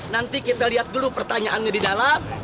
nanti kita lihat dulu pertanyaannya di dalam